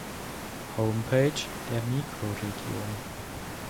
Homepage der Mikroregion